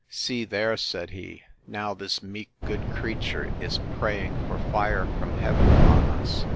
See there! said he: now this meek, good creature is praying for fire from heaven upon us!